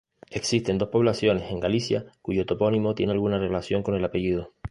Existen dos poblaciones en Galicia cuyo topónimo tiene alguna relación con el apellido.